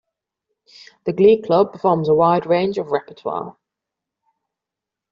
The Glee Club performs a wide range of repertoire.